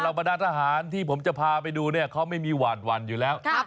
แต่ราบรรดาทหารที่ผมจะพาไปดูเนี่ยเขาไม่มีวันอยู่แล้ว